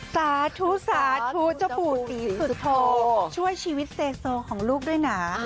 สาธุสาธุเจ้าปู่ศรีสุโธช่วยชีวิตเซโซของลูกด้วยนะ